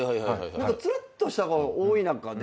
つるっとした子が多い中で。